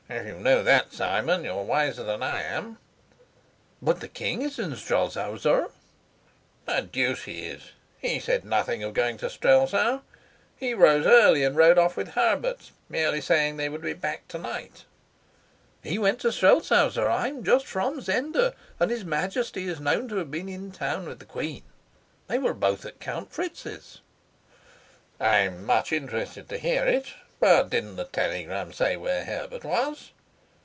"If you know that, Simon, you're wiser than I am." "But the king is in Strelsau, sir." "The deuce he is! He said nothing of going to Strelsau. He rose early and rode off with Herbert, merely saying they would be back to night." "He went to Strelsau, sir. I am just from Zenda, and his Majesty is known to have been in town with the queen. They were both at Count Fritz's." "I'm much interested to hear it. But didn't the telegram say where Herbert was?"